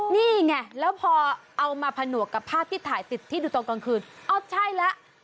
นี่ไงแล้วพอเอามาผนวกกับภาพที่ถ่ายติดที่ดูตอนกลางคืนเอ้าใช่แล้ว